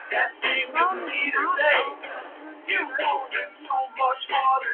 Bone is not the only alternative surface used.